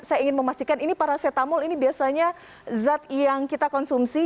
saya ingin memastikan ini paracetamol ini biasanya zat yang kita konsumsi